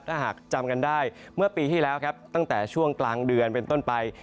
ถ้าหากจำกันได้เมื่อปีที่แล้วครับตั้งแต่ช่วงกลางเดือนเป็นต้นไป